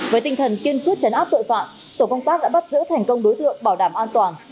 với tinh thần kiên quyết chấn áp tội phạm tổ công tác đã bắt giữ thành công đối tượng bảo đảm an toàn